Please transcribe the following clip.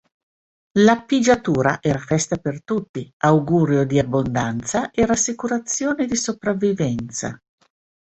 La pigiatura era festa per tutti: augurio di abbondanza e rassicurazione di sopravvivenza.